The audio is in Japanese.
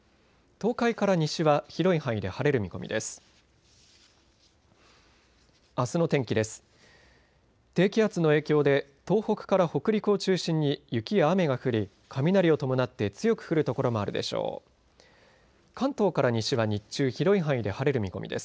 東海から西は広い範囲で晴れる見込みです。